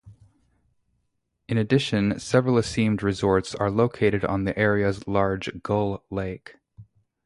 In addition, several esteemed resorts are located on the area's large Gull Lake.